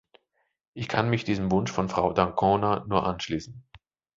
Ich kann mich diesem Wunsch von Frau d'Ancona nur anschließen.